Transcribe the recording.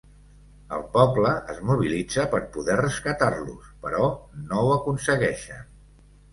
El poble es mobilitza per poder rescatar-los, però no ho aconsegueixen.